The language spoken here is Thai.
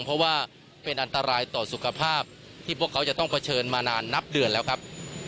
เพราะว่าเป็นอันตรายต่อสุขภาพที่พวกเขาจะต้องเผชิญมานานนับเดือนแล้วครับ